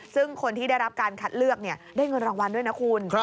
ซึ่งคนที่ได้รับการคัดเลือกได้เงินรางวัลด้วยนะคุณ